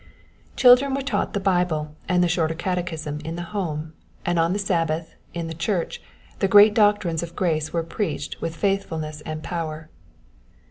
"Children were taught the Bible and the Shorter Catechism in the home; and on the Sabbath, in the church, the great doctrines of grace were preached with faithfulness and power."